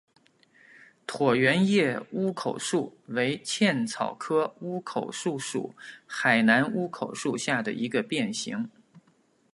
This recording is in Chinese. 椭圆叶乌口树为茜草科乌口树属海南乌口树下的一个变型。